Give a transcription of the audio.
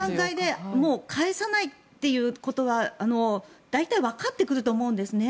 その段階でもう返さないというのは大体、わかってくると思うんですね。